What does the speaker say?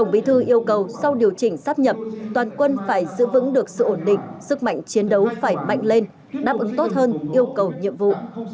bí thư yêu cầu sau điều chỉnh sắp nhập toàn quân phải giữ vững được sự ổn định sức mạnh chiến đấu phải mạnh lên đáp ứng tốt hơn yêu cầu nhiệm vụ